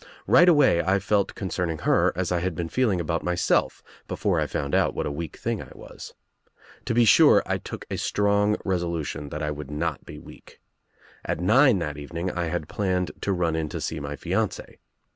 Right away I felt concerning her as I had been feeling about myself before I found out what a weak thing I was. To be sure I took a strong resolu tion that I would not be weak. At nine that evening I had planned to run in to see my fiancee.